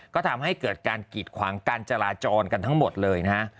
ก็ทำให้เกิดการกีดขวางการจราจรกันทั้งหมดเลยนะฮะ